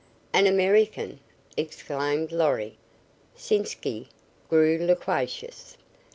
"An American!" exclaimed Lorry. Sitzky grew loquacious.